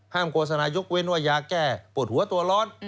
โฆษณายกเว้นว่ายาแก้ปวดหัวตัวร้อน